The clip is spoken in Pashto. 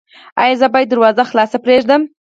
ایا زه باید دروازه خلاصه پریږدم؟